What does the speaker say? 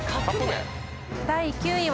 第９位は。